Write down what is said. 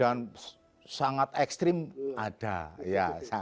dan sangat ekstrim ada